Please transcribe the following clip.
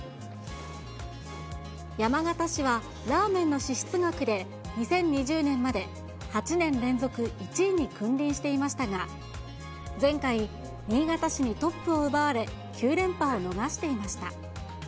山形市はラーメンの支出額で２０２０年まで８年連続１位に君臨していましたが、前回、新潟市にトップを奪われ、９連覇を逃していました。